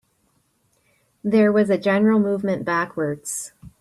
There was a general movement backwards.